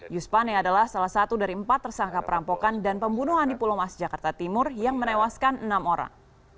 yus pane adalah salah satu dari empat tersangka perampokan dan pembunuhan di pulau mas jakarta timur yang menewaskan enam orang